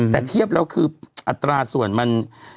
แต่เทียบแล้วคืออัตราส่วนมัน